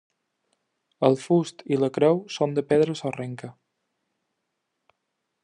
El fust i la creu són de pedra sorrenca.